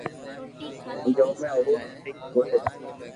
جو مي او سھي ڪوئي ھتئ